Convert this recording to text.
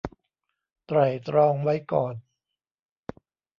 ไตร่ตรองไว้ก่อน